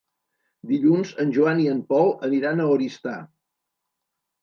Dilluns en Joan i en Pol aniran a Oristà.